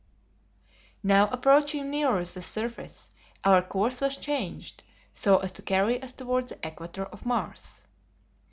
Now approaching nearer the surface our course was changed so as to carry us toward the equator of Mars.